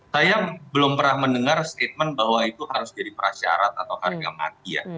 saya belum pernah mendengar statement bahwa itu harus jadi prasyarat atau harga mati ya